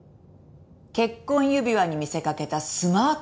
結婚指輪に見せかけたスマートリングでしょ？